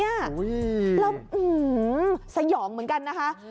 แล้วสยองเหมือนกันนะคะ